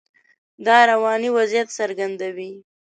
دا رواني وضعیت څرګندوي.